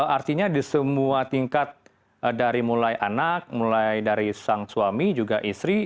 artinya di semua tingkat dari mulai anak mulai dari sang suami juga istri